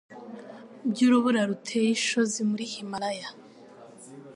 byurubura ruteye ishozi muri Himalaya